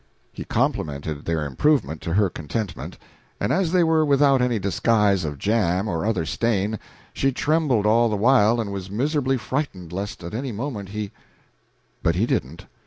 He complimented their improvement to her contentment; and as they were without any disguise of jam or other stain, she trembled all the while and was miserably frightened lest at any moment he But he didn't.